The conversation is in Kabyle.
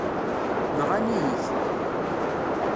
Nɣan-iyi-t.